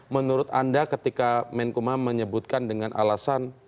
menurut anda ketika menkumham menyebutkan dengan alasan